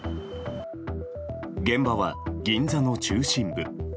現場は銀座の中心部。